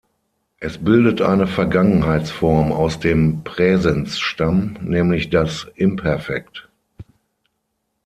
Es bildet eine Vergangenheitsform aus dem Präsensstamm, nämlich das Imperfekt.